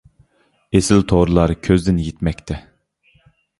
ئېسىل تورلار كۆزدىن يىتمەكتە.